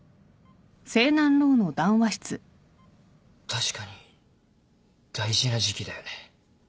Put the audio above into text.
確かに大事な時期だよね。